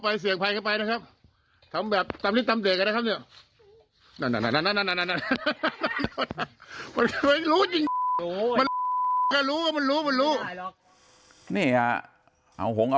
อ่ะผมเอาแห่ง